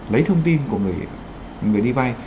lấy thông tin của người đi vai